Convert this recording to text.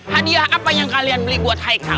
hadiah apa yang kalian beli buat haikal